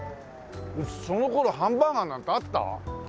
その頃ハンバーガーなんてあった？